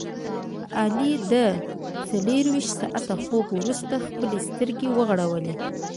علي له څلوریشت ساعته خوب ورسته خپلې سترګې وغړولې.